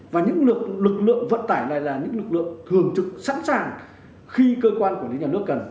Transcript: và những lực lượng vận tải này là những lực lượng thường trực sẵn sàng khi cơ quan quản lý nhà nước cần